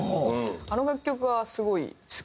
あの楽曲がすごい好きで。